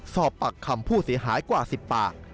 สอบปากคำผู้เสียหายกว่า๑๐ปาก